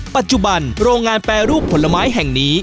ปัจจุบันโรงงานแปรรูปผลไม้แห่งนี้